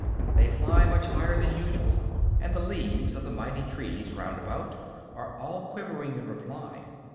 They fly much higher than usual, and the leaves of the mighty trees round about are all quivering in reply.